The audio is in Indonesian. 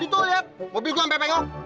litu liat mobil gua sampe pengok